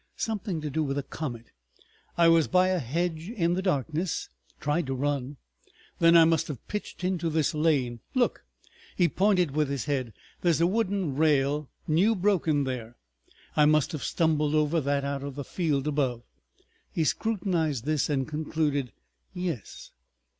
"Something to do with a comet. I was by a hedge in the darkness. Tried to run. ... Then I must have pitched into this lane. Look!" He pointed with his head. "There's a wooden rail new broken there. I must have stumbled over that out of the field above." He scrutinized this and concluded. "Yes.